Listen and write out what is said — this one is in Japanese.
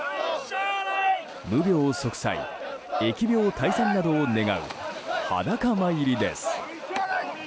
無病息災、疫病退散などを願う裸参りです。